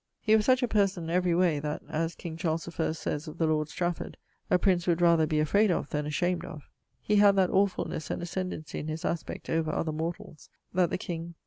He was such a person (every way) that (as King Charles I sayes of the lord Strafford) a prince would rather be afrayd of then ashamed of. He had that awfulnes and ascendency in his aspect over other mortalls, that the king....